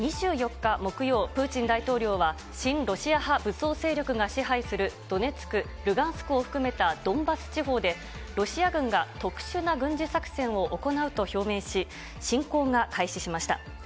２４日木曜、プーチン大統領は、親ロシア派武装勢力が支配するドネツク、ルガンスクを含めたドンバス地方で、ロシア軍が特殊な軍事作戦を行うと表明し、侵攻が開始しました。